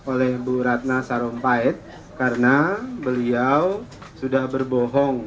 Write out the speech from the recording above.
oleh bu ratna sarumpait karena beliau sudah berbohong